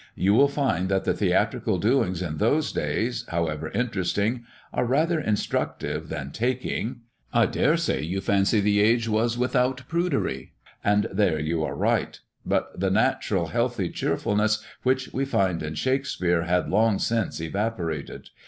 You will find that theatrical doings in those days, however interesting, are rather instructive than taking. I dare say, you fancy the age was without prudery, and there you are right; but the natural healthy cheerfulness which we find in Shakspeare had long since evaporated.